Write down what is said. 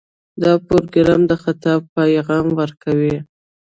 دا پروګرام د خطا پیغام ورکوي.